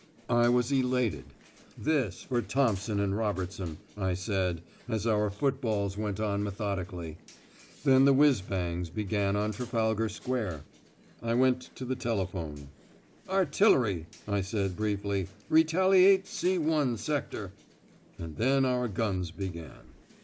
I was elated. "This for Thompson and Robertson," I said, as our footballs went on methodically. Then the whizz bangs began on Trafalgar Square. I went to the telephone. "Artillery," I said briefly. "Retaliate C 1 Sector." And then our guns began.